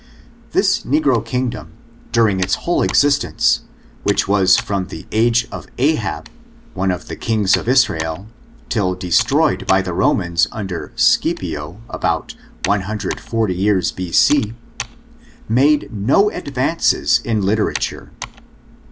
This negro king dom, during its whole existence, which was from the ^, I ORIGIN, CHARACTER, AND age of Ahah, one of the kings of Israel, till destroyed by the Romans, under Scipio, about 140 years B. C^ made no advances in literature.